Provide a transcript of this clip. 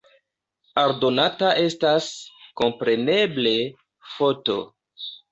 Aldonata estas, kompreneble, foto.